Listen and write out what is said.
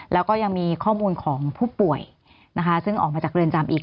แล้วก็ยังมีข้อมูลของผู้ป่วยนะคะซึ่งออกมาจากเรือนจำอีก